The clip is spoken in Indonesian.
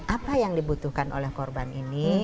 apa yang dibutuhkan oleh korban ini